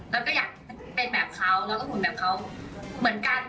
แล้วก็อยากเป็นแบบเขาแล้วก็หุ่นแบบเขาเหมือนกัน